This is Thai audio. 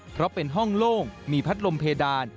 เพราะเป็นห้องโล่งมีพัดลมเพดาน